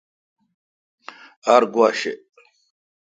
ار گوا شہ۔